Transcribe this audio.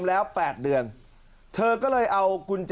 อาทิตย์๒๕อาทิตย์